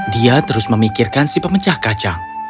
dia terus memikirkan si pemecah kacang